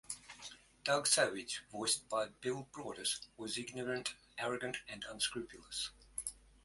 Doug Savage, voiced by Bill Braudis, was ignorant, arrogant and unscrupulous.